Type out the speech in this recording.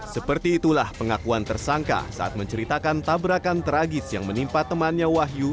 seperti itulah pengakuan tersangka saat menceritakan tabrakan tragis yang menimpa temannya wahyu